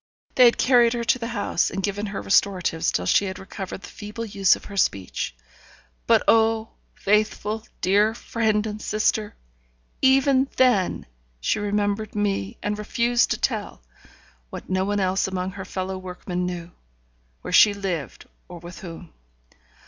They had carried her to the house, and given her restoratives till she had recovered the feeble use of her speech. But, oh, faithful, dear friend and sister! even then she remembered me, and refused to tell (what no one else among her fellow workmen knew), where she lived or with whom.